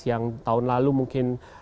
yang tahun lalu mungkin